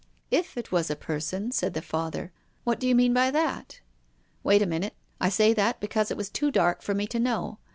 " If it was a person !" said the Father. " What do you mean by that ?"" Wait a minute. I say that because it was too dark for me to know.